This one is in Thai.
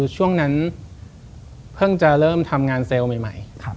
ช่วงนั้นเพิ่งจะเริ่มทำงานเซลล์ใหม่